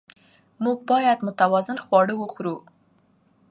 موږ باید متوازن خواړه وخورو